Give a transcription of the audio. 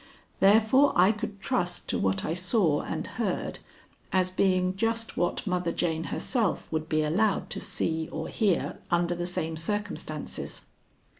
Therefore I could trust to what I saw and heard as being just what Mother Jane herself would be allowed to see or hear under the same circumstances.